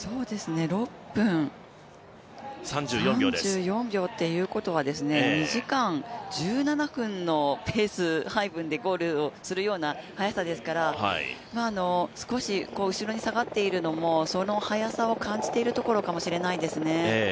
６分３４秒っていうことは２時間１７分のペース配分でゴールをするような速さですから少し後ろに下がっているのもその速さを感じているところかもしれないですね。